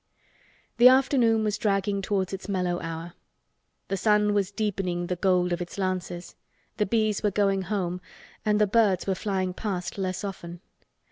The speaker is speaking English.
The afternoon was dragging towards its mellow hour. The sun was deepening the gold of its lances, the bees were going home and the birds were flying past less often.